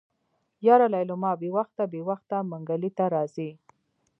يره ليلما بې وخته بې وخته منګلي ته راځي.